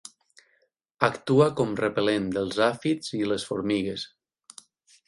Actua com repel·lent dels àfids i les formigues.